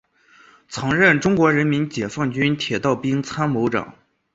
曾任中国人民解放军铁道兵参谋长。